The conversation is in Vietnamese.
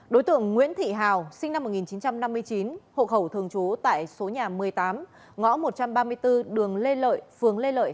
đối tượng nguyễn thị hào sinh năm một nghìn chín trăm năm mươi chín hộ khẩu thường trú tại số nhà một mươi tám ngõ một trăm ba mươi bốn đường lê lợi phường lê lợi